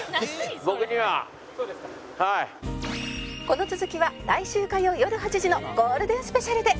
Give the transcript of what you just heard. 「この続きは来週火曜よる８時のゴールデンスペシャルで」